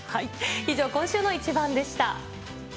以上、今週のイチバンでした。